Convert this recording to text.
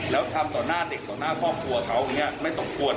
แล้วทำต่อหน้าเด็กต่อหน้าครอบครัวเขาอย่างนี้ไม่สมควร